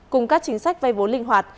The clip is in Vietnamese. cùng các chính sách vây vốn linh hoạt